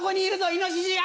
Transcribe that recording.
イノシシが。